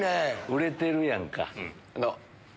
売れてるやんか。